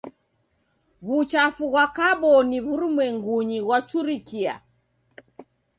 W'uchafu ghwa kaboni w'urumwengunyi ghwachurikie.